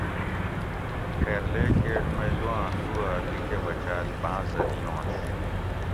خیرلے کیٹ مئی لوآں توا لِیکہ بچال بانزہ دیونش